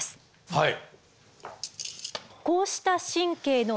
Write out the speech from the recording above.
はい。